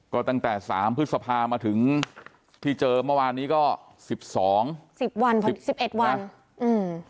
ก็ตั้งแต่สามพฤษภามาถึงที่เจอเมื่อวานนี้ก็สิบสองสิบวันพอสิบเอ็ดวันอืม